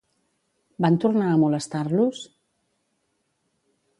Van tornar a molestar-los?